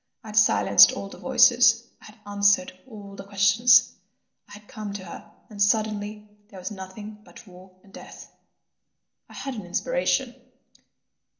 I had silenced all the voices, I had answered all the questions—I had come to her. And suddenly there was nothing but War and Death!" I had an inspiration.